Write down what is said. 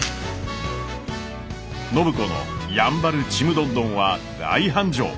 暢子のやんばるちむどんどんは大繁盛！